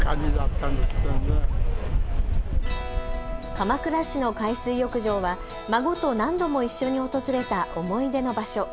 鎌倉市の海水浴場は孫と何度も一緒に訪れた思い出の場所。